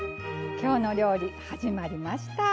「きょうの料理」始まりました。